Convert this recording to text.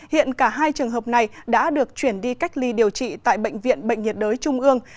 hiện cả hai trường hợp này đã được chuyển đi cách ly điều trị tại bệnh viện bệnh nhiệt đới trung ương